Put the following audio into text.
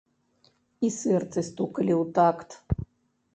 І сэрцы стукалі ў такт.